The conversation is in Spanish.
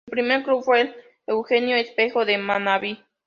Su primer club fue el Eugenio Espejo de Manabí.